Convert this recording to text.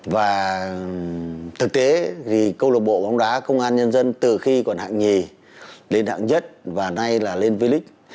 và thực tế thì câu lạc bộ bóng đá công an nhân dân từ khi còn hạng nhì đến hạng nhất và nay là lên village